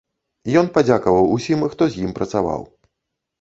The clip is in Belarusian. Ён падзякаваў усім, хто з ім працаваў.